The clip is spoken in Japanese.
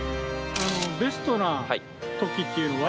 ベストな時っていうのは？